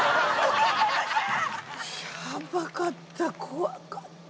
ヤバかった怖かった。